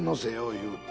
言うて。